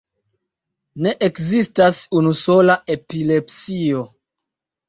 Ne ekzistas unusola epilepsio.